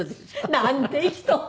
「なんて人」。